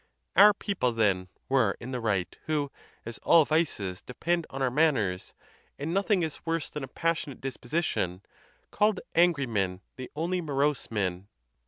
Our people, then, were in the right, who, as all vices depend on our manners, and nothing is worse than a passionate dispo sition, called angry men the only morose men.